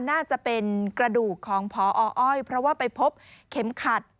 น่าจะเป็นกระดูกของพออ้อยเพราะว่าไปพบเข็มขัด